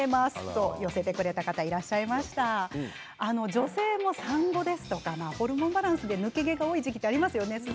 女性も産後などホルモンバランスで抜けやすい時期がありますよね。